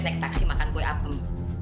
naik taksi makan kue apem